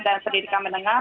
dan pendidikan menengah